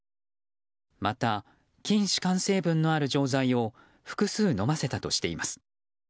また、筋弛緩成分のある錠剤を複数飲ませたとしています。